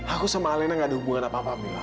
aku sama ale nggak ada hubungan apa apa mila